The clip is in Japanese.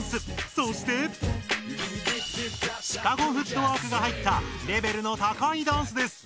そしてシカゴフットワークが入ったレベルの高いダンスです。